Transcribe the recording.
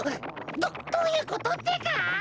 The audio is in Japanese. どどういうことってか！？